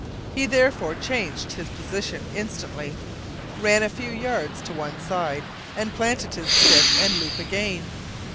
He therefore changed his position instantly; ran a few yards to one side, and planted his stick and loop again.